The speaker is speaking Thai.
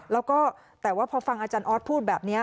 แล้วก็แต่ว่าพอฟังอาจารย์ออสพูดแบบนี้